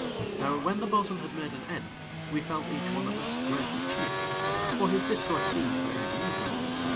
Now when the bo'sun had made an end, we felt each one of us greatly cheered; for his discourse seemed very reasonable.